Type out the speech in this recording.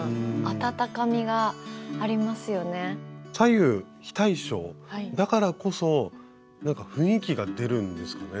左右非対称だからこそなんか雰囲気が出るんですかね？